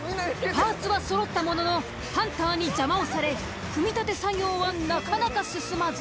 パーツはそろったもののハンターに邪魔をされ組み立て作業はなかなか進まず。